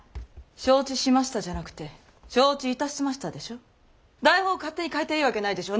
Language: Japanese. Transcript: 「承知しました」じゃなくて「承知いたしました」でしょ。台本を勝手に変えていいわけないでしょ。